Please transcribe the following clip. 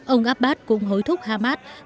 ông abbas cũng hối thúc hamas